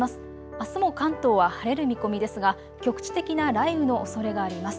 あすも関東は晴れる見込みですが局地的な雷雨のおそれがあります。